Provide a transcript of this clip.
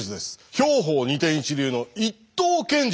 兵法二天一流の一刀剣術